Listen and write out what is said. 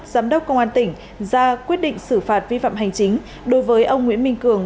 giám đốc công an tỉnh ra quyết định xử phạt vi phạm hành chính đối với ông nguyễn minh cường